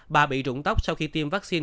bà bị rụng tóc sau khi tiêm vaccine